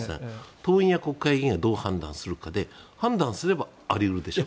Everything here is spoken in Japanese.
党員や国会議員がどう判断するかということで判断すればあり得るでしょう。